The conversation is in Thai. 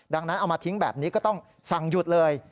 ดังนั้นเอามาทิ้งแบบนี้ก็ต้องสั่งหยุดเลย